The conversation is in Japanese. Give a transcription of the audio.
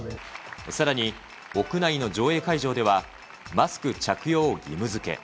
さらに屋内の上映会場では、マスク着用を義務づけ。